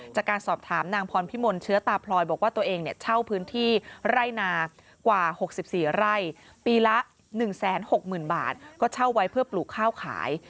จากการสอบถามนางพรพิมลเชื้อตาพลอยบอกว่าตัวเองเนี่ยเช่าพื้นที่ไร่นากว่า๖๔ไร่ปีละ๑๖๐๐๐บาทก็เช่าไว้เพื่อปลูกข้าวขาย